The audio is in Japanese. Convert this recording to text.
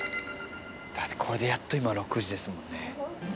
だってこれでやっと今６時ですもんね。